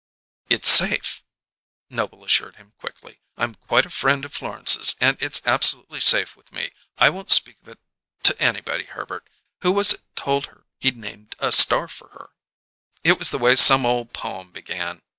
"It's safe," Noble assured him quickly. "I'm quite a friend of Florence's and it's absolutely safe with me. I won't speak of it to anybody, Herbert. Who was it told her he'd named a star for her?" "It was the way some ole poem began.